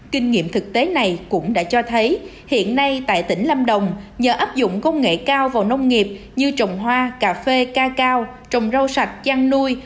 kinh nghiệm thực tế này cũng đã cho thấy hiện nay tại tỉnh lâm đồng nhờ áp dụng công nghệ cao vào nông nghiệp như trồng hoa cà phê ca cao trồng rau sạch chăn nuôi